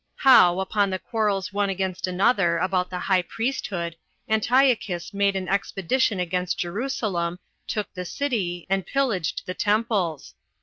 How, Upon The Quarrels One Against Another About The High Priesthood Antiochus Made An Expedition Against Jerusalem, Took The City And Pillaged The Temples.